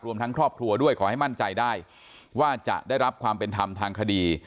ทั้งครอบครัวด้วยขอให้มั่นใจได้ว่าจะได้รับความเป็นธรรมทางคดี